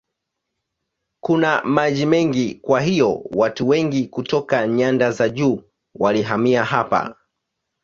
Kuna maji mengi kwa hiyo watu wengi kutoka nyanda za juu walihamia hapa.